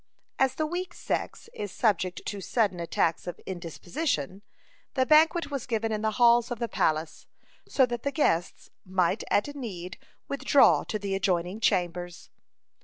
As the weak sex is subject to sudden attacks of indisposition, the banquet was given in the halls of the palace, so that the guests might at need withdraw to the adjoining chambers.